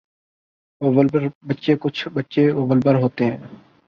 وولبر بچے کچھ بچے وولبر ہوتے ہیں۔